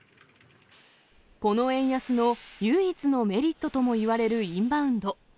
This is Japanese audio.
この円安の唯一のメリットともいわれるインバウンド。